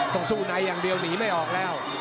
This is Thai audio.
สู้ในอย่างเดียวหนีไม่ออกแล้ว